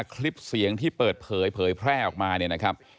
คลิปเสียงที่เปิดเผยแพร่ออกมาเนี่ยนะครับ